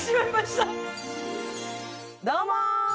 どうも！